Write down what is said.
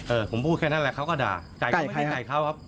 เออผมพูดแค่นั้นแหละเขาก็ด่าไก่ไก่ไก่เขาครับ